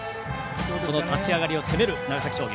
その立ち上がりを攻める長崎商業。